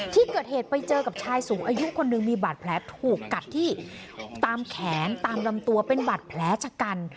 ที่เกิดเหตุไปเจอกับชายสูงอายุคนหนึ่งมีบาดแผลถูกกัดที่ตามแขนตามลำตัวเป็นบาดแผลชะกัน